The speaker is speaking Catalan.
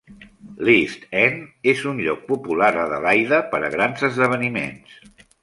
L'East End és un lloc popular a Adelaida per a grans esdeveniments.